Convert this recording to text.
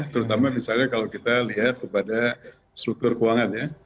terutama misalnya kalau kita lihat kepada struktur keuangan ya